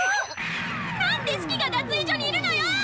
何でシキが脱衣所にいるのよ！